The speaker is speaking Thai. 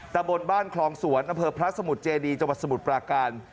แต่บนบ้านคลองสวนอเภอพระสมุดเจดีจสมุดประการ